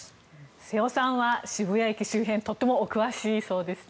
瀬尾さんは渋谷駅周辺とってもお詳しいそうですね。